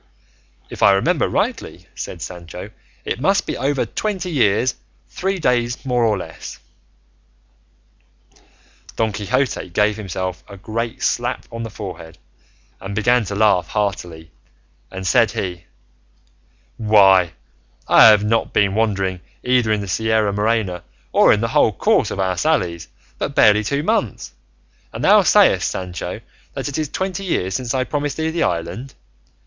"If I remember rightly," said Sancho, "it must be over twenty years, three days more or less." Don Quixote gave himself a great slap on the forehead and began to laugh heartily, and said he, "Why, I have not been wandering, either in the Sierra Morena or in the whole course of our sallies, but barely two months, and thou sayest, Sancho, that it is twenty years since I promised thee the island.